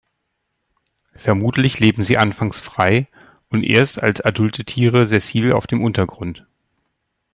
Vermutlich leben sie anfangs frei und erst als adulte Tiere sessil auf dem Untergrund.